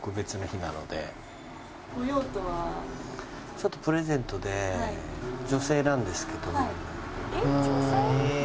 ちょっとプレゼントで女性なんですけど。